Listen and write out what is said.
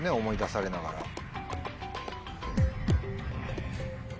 思い出されながら。